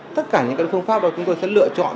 tất cả những cái phương pháp đó chúng tôi sẽ lựa chọn